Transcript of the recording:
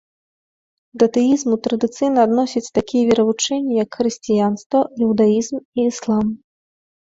Да тэізму традыцыйна адносяць такія веравучэнні, як хрысціянства, іўдаізм і іслам.